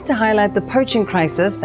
với kenya chúng tôi